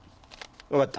わかった。